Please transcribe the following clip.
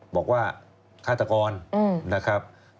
บอกว่าฆาตกรนะครับ